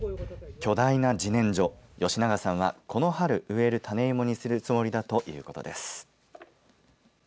巨大なじねんじょ、吉永さんはこの春植える種芋にするつもりだということです。